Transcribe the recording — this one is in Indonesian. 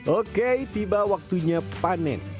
oke tiba waktunya panen